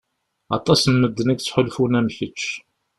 Aṭas n medden i yettḥulfun am kečč.